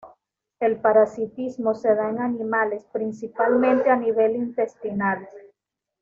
El parasitismo se da en animales, principalmente a nivel intestinal.